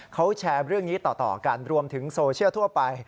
เขาแชร์เรื่องนี้ต่อกันรวมถึงโซเชียลทั่วไป